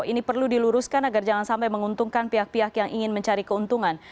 ini perlu diluruskan agar jangan sampai menguntungkan pihak pihak yang ingin mencari keuntungan